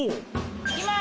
いきます！